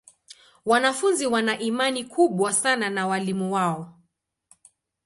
Wanafunzi wana imani kubwa sana na walimu wao.